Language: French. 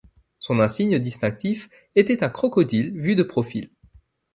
Son insigne distinctif était un crocodile vu de profil.